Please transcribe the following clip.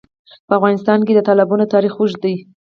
په افغانستان کې د تالابونه تاریخ اوږد دی.